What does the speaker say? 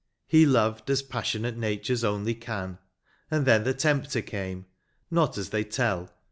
He loved as passionate natures only can. And then the tempter came, not as they tell.